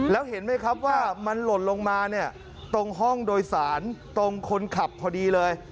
แล้วเห็นไหมครับว่ามันหล่นลงมาเนี่ยตรงห้องโดยสารตรงคนขับพอดีเลย